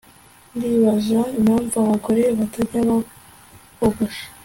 Ndibaza impamvu abagore batajya bogosha